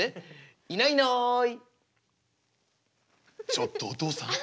ちょっとお父さん？